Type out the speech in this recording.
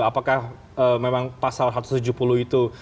apakah memang pasal satu ratus tujuh puluh itu